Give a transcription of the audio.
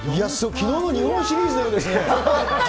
きのうの日本シリーズのようですね。